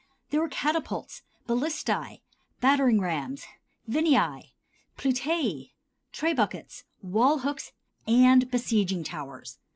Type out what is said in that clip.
There were catapults, ballistæ, battering rams, vineæ, plutei, tre buckets, wall hooks and besieging towers.